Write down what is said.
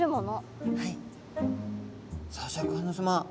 さあシャーク香音さま